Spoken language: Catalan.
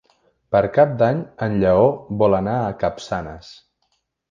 Per Cap d'Any en Lleó vol anar a Capçanes.